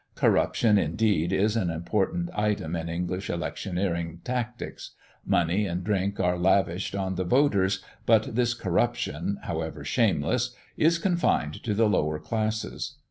Corruption, indeed, is an important item in English electioneering tactics; money and drink are lavished on the voters; but this corruption, however shameless, is confined to the lower classes.